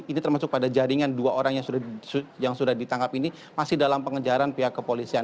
ini termasuk pada jaringan dua orang yang sudah ditangkap ini masih dalam pengejaran pihak kepolisian